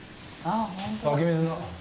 湧き水の。